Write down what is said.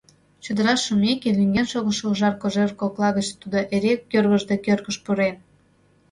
Чодыраш шумеке, лӱҥген шогышо ужар кожер кокла гыч тудо эре кӧргыш да кӧргыш пурен.